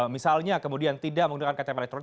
misalnya kemudian tidak menggunakan ktp elektronik